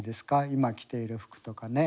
今着ている服とかね。